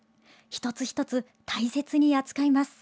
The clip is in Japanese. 一つ一つ大切に扱います。